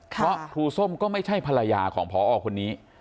เพราะครูส้มก็ไม่ใช่ภรรยาของพอคนนี้